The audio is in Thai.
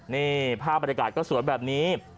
นี่ภาพบรรยากาศก็สวยแบบนี้